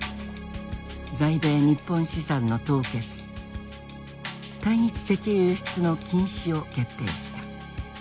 在米日本資産の凍結対日石油輸出の禁止を決定した。